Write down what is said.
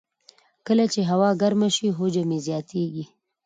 کله چې هوا ګرمه شي، حجم یې زیاتېږي.